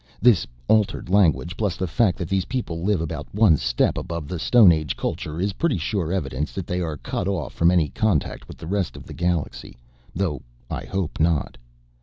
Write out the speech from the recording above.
This altered language plus the fact that these people live about one step above the stone age culture is pretty sure evidence that they are cut off from any contact with the rest of the galaxy, though I hope not.